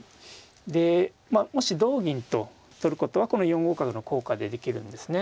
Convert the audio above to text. でまあもし同銀と取ることはこの４五角の効果でできるんですね。